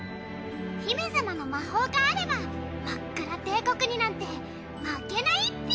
姫様の魔法があればマックラ帝国になんて負けないっぴぃ。